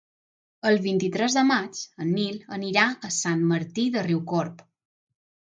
El vint-i-tres de maig en Nil anirà a Sant Martí de Riucorb.